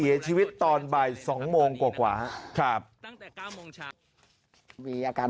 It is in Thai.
แต่ตอนนี้ติดต่อน้องไม่ได้